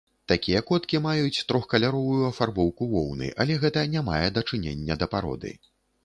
Такія коткі маюць трохкаляровую афарбоўку воўны, але гэта не мае дачынення да пароды.